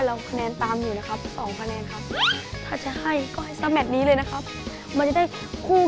และฉันกับเธอจะไปด้วยกัน